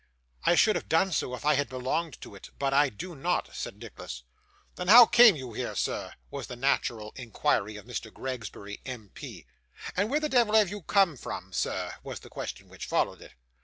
'I should have done so, if I had belonged to it, but I do not,' said Nicholas. 'Then how came you here, sir?' was the natural inquiry of Mr. Gregsbury, MP. 'And where the devil have you come from, sir?' was the question which followed it.